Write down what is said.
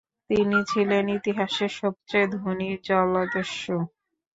তিনি ছিলেন ইতিহাসের সবচেয়ে ধনী জলদস্যু।